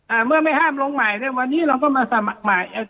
อ่าเมื่อไม่ห้ามลงใหม่เลยวันนี้เราก็มาสมัครใหม่